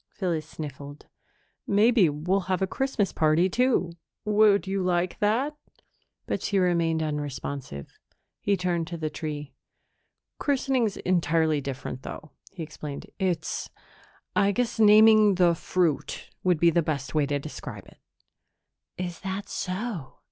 Phyllis sniffled. "Maybe we'll have a Christmas party, too. Would you like that?" But she remained unresponsive. He turned to the tree. "Christening's entirely different, though," he explained. "It's I guess naming the fruit would be the best way to describe it." "Is that so?"